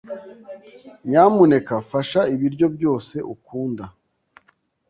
Nyamuneka fasha ibiryo byose ukunda.